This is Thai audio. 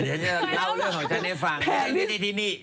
อีกที่นึงก็หัวหินประจุดที่อีกที่